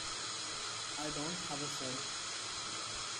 I don't have a phone.